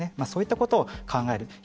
そういったことを考える。